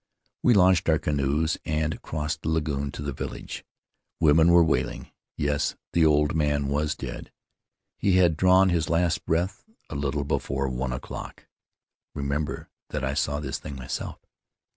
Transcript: We launched our canoes and crossed the lagoon to the village. W T omen were wailing; yes, the old man was dead — he had drawn his last breath a little before one o'clock. Remember that I saw this thing myself.